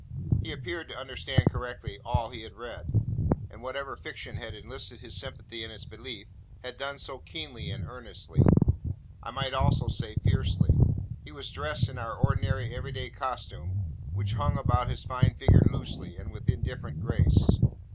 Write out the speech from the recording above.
He appeared to understand correctly all he had read; and whatever fiction had enlisted his sympathy in its belief, had done so keenly and earnestly. I might almost say fiercely. He was dressed in our ordinary everyday costume, which hung about his fine figure loosely, and with indifferent grace.